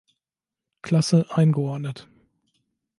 Klasse“ eingeordnet.